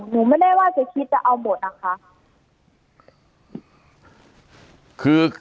หนูไม่ได้ว่าจะคิดจะเอาหมดนะคะ